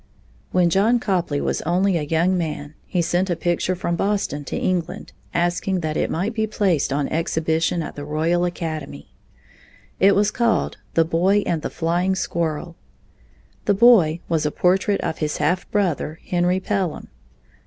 When John Copley was only a young man, he sent a picture from Boston to England, asking that it might be placed on exhibition at the Royal Academy. It was called "The Boy and the Flying Squirrel." The boy was a portrait of his half brother, Henry Pelham.